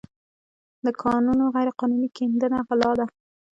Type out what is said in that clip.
د کانونو غیرقانوني کیندنه غلا ده.